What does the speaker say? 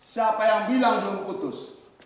siapa yang bilang mau putus